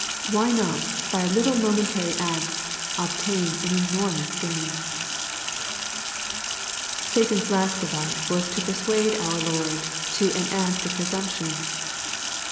Why not by a little momentary act, obtain an enormous gain ? V Satan's last device was to persuade our Lord to an act \ of presumption.